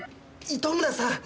糸村さん